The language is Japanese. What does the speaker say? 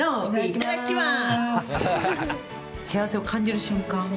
いただきます。